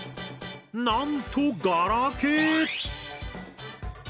なんとガラケー！